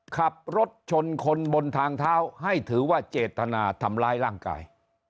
ขับรถชนคนบนทางเท้าให้ถือว่าเจตนาทำร้ายร่างกาย